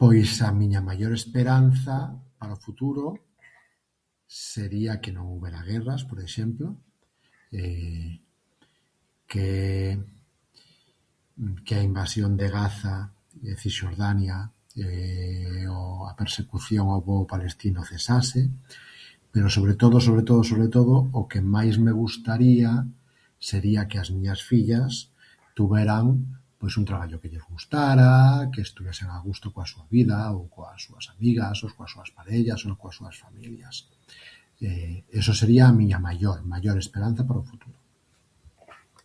Pois a miña maior esperanza para o futuro sería que non houbera guerras, por exemplo, que, que a invasión de Gaza e Cisxordania e o a persecución ao pobo palestino cesase, pero sobre todo, sobre todo, sobre todo o que máis me gustaría sería que as miñas fillas tuveran, pois un traballo que lle gustara, que estuvesen a gusto coa súa vida ou coas súas amigas ou coas súas parellas ou coas súas familias. Iso sería a miña maior, maior esperanza para o futuro.